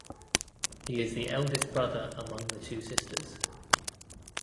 He is the eldest brother among the two sisters.